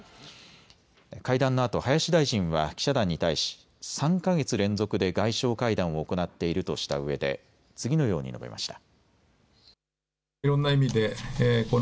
会談のあと林大臣は記者団に対し３か月連続で外相会談を行っているとしたうえで次のように述べました。